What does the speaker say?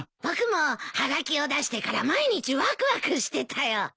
僕もはがきを出してから毎日わくわくしてたよ。